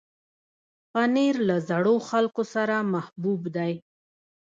پنېر له زړو خلکو سره محبوب دی.